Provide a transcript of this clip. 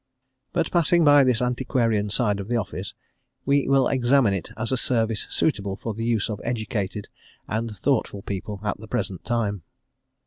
But passing by this antiquarian side of the Office, we will examine it as a service suitable for the use of educated and thoughtful people at the present time.